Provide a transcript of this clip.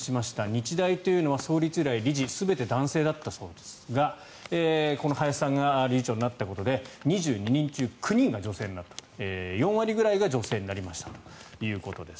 日大というのは創立以来理事、全て男性だったそうですがこの林さんが理事長になったことで２２人中９人が女性４割ぐらいが女性になったということです。